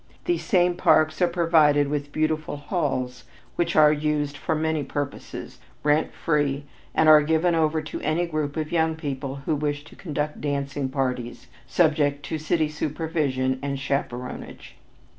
These same parks are provided with beautiful halls which are used for many purposes, rent free, and are given over to any group of young people who wish to conduct dancing parties subject to city supervision and chaperonage.